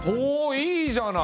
いいじゃない！